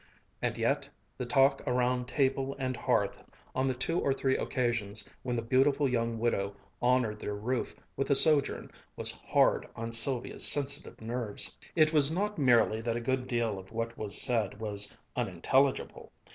And yet the talk around table and hearth on the two or three occasions when the beautiful young widow honored their roof with a sojourn was hard on Sylvia's sensitive nerves. It was not merely that a good deal of what was said was unintelligible.